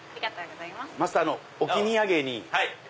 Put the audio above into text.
マスター置き土産に。